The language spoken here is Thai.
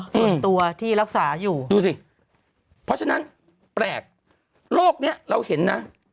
ส่วนตัวที่รักษาอยู่ดูสิเพราะฉะนั้นแปลกโรคนี้เราเห็นนะ